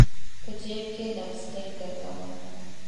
په جیب کي لپ سټک ګرزول